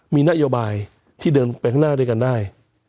มีนโยบายที่เดินไปข้างหน้าด้วยกันได้